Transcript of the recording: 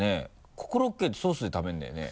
コロッケってソースで食べるんだよね？